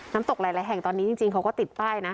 ตกหลายแห่งตอนนี้จริงเขาก็ติดป้ายนะ